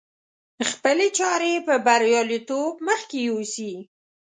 خپلې چارې په برياليتوب مخکې يوسي.